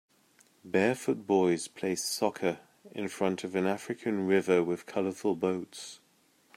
Barefoot boys play soccer in front of an African river with colorful boats.